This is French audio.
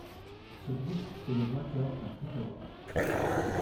Ce groupe est le vainqueur d'un Brit Awards.